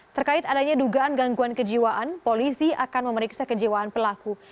terkait adanya dugaan gangguan kejiwaan polisi akan memeriksa kejiwaan pelaku